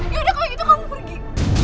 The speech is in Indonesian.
yaudah kalau gitu kamu pergi